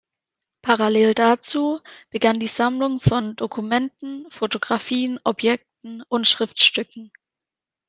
Parallel dazu begann die Sammlung von Dokumenten, Fotografien, Objekten und Schriftstücken.